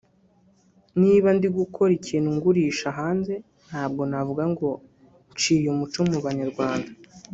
niba ndi gukora ikintu ngurisha hanze ntabwo navuga ngo nciye umuco mu banyarwanda